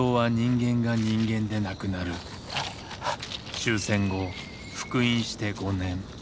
終戦後復員して５年。